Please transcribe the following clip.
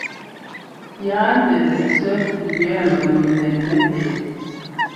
Yaa ntɛ́ nɛtẅɛ́ gẅɛɛ mɛnu tɛ́nnɛ́ tɛ.